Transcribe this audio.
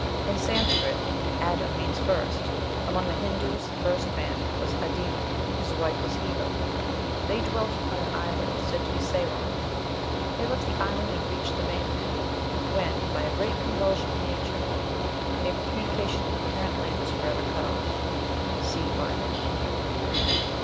In Sanscrit Adim, means first. Among the Hindoos the first man was Ad ima, his wife was Heva. They dwelt upon an island, said to be Ceylon; they left the island and reached the main land, when, by a great convulsion of nature, their communication with the parent land was forever cut off. (See "Bible in India.")